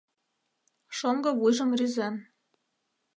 — шоҥго вуйжым рӱзен.